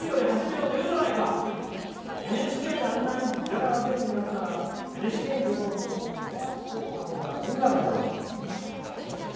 ＮＨＫであんなにギャラが出るんだったらＮＨＫに出ようと思わせたほうがいいんじゃないだろうか。